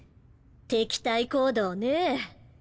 敵対行動ねぇ。